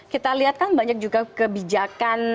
kita lihat kan banyak juga kebijakan